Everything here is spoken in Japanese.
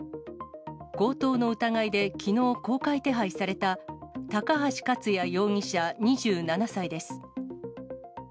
強盗の疑いできのう、公開手配された高橋勝也容疑者２７歳です。